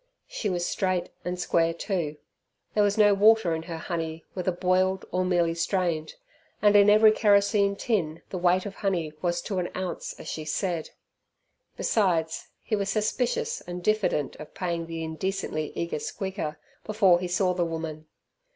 She was straight and square too. There was no water in her honey whether boiled or merely strained, and in every kerosene tin the weight of honey was to an ounce as she said. Besides he was suspicious and diffident of paying the indecently eager Squeaker before he saw the woman.